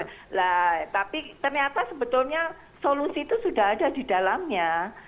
nah tapi ternyata sebetulnya solusi itu sudah ada di dalamnya